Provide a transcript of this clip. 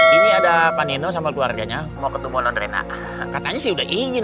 ini ada panino sampai keluarganya mau ketemu andre nah katanya sih udah ingin